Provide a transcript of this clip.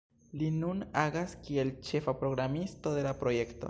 Li nun agas kiel ĉefa programisto de la projekto.